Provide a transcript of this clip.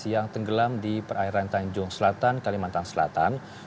yang tenggelam di perairan tanjung selatan kalimantan selatan